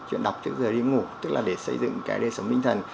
chuyện đọc trước giờ đi ngủ tức là để xây dựng cái đề sống minh thần